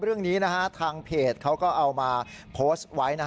เรื่องนี้ทางเพจเขาก็เอามาโพสต์ไว้